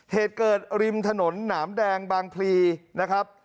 เหตุเกิดริมถนนหนามแดงบางพลีนะครับ